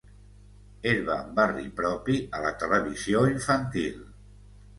Herba amb barri propi a la televisió infantil.